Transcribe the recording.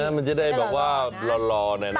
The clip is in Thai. มันจะได้แบบว่าร้อนแน็ต